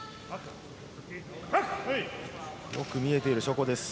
よく見えている証拠です。